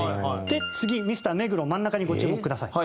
で次ミスター目黒真ん中にご注目ください。